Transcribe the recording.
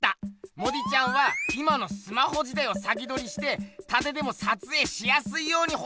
モディちゃんは今のスマホ時代を先どりしてたてでもさつえいしやすいように細長くした。